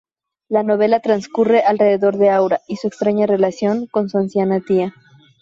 La novela transcurre alrededor de Aura y su extraña relación con su anciana tía.